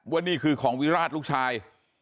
ว่านี่คือของวิราชลูกชาย